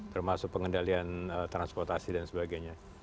termasuk pengendalian transportasi dan sebagainya